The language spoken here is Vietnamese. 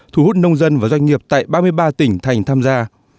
thu hút nông dân và doanh nghiệp tại ba mươi ba tỉnh thành tham gia